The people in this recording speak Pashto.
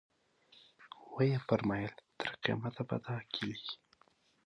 ویې فرمایل تر قیامته به دا کیلي.